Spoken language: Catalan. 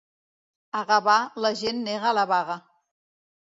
A Gavà la gent nega la vaga.